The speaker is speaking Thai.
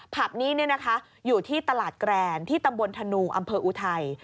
ผับนี้อยู่ที่ตลาดแกรนที่ตำบลธนูอำเภออุทัย